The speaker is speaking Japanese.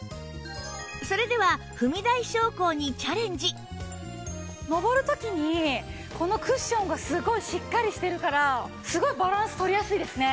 それでは上る時にこのクッションがすごいしっかりしてるからすごいバランス取りやすいですね。